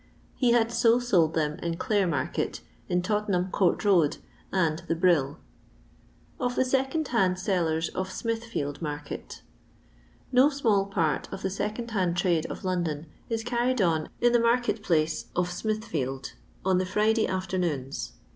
He had so sold them in Clare market, in Tottenham court road, and the Brill. 46 LONDON LABOUR AND THE LONDON POOk. Or THE Secokd Hahd Ssllebs of Smitbreld XARKBT. No nnall part of the second hand trade of Lon don is carried on in the market place of Smithfield, on the Friday afternoons.